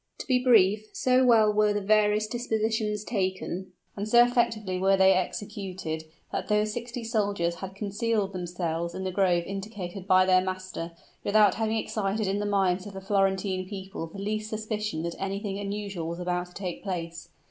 To be brief, so well were the various dispositions taken, and so effectually were they executed, that those sixty soldiers had concealed themselves in the grove indicated by their master, without having excited in the minds of the Florentine people the least suspicion that anything unusual was about to take place.